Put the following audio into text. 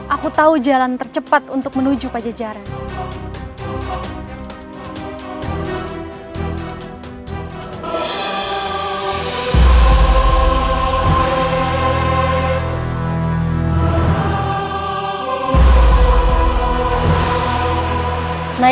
aku tau jalan tercepat untuk menuju pajajaranya